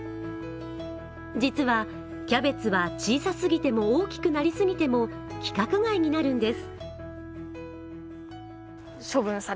実は、キャベツは小さすぎても大きくなりすぎても規格外になるんです。